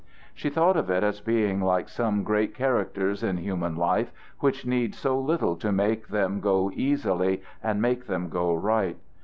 She thought of it as being like some great characters in human life which need so little to make them go easily and make them go right.